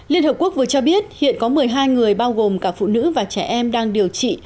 liên hợp quốc vừa cho biết hiện có một mươi hai người bao gồm cả phụ nữ và trẻ em đang điều trị